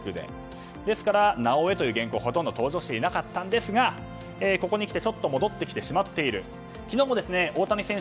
ですからなおエ原稿、ほとんど登場していませんでしたがここに来てちょっと戻ってきてしまっている。